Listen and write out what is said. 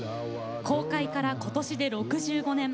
公開から今年で６５年。